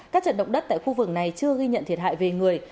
các trận động đất tại khu vực này chưa ghi nhận thiệt hại về người